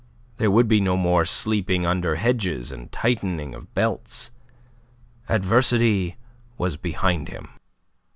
There would be no more sleeping under hedges and tightening of belts. Adversity was behind him.